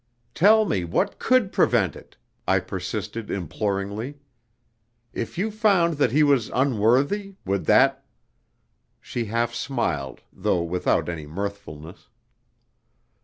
"Tell me what could prevent it?" I persisted imploringly. "If you found that he was unworthy, would that " She half smiled, though without any mirthfulness.